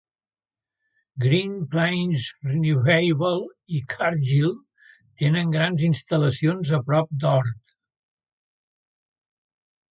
Green Plains Renewable i Cargill tenen grans instal·lacions a prop d"Ord.